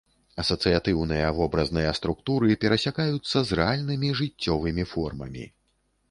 Асацыятыўныя вобразныя структуры перасякаюцца з рэальнымі жыццёвымі формамі.